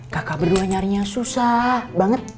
kakak berdua nyarinya susah banget